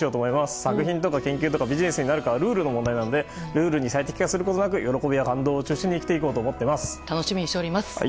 作品とか研究などビジネスになるかはルールの問題なのでルールに最適化することなく喜びや感動を中心に生きていこうと思っています。